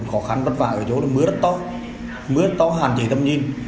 khó khăn vất vả ở chỗ là mưa rất to mưa rất to hẳn chỉ tâm nhìn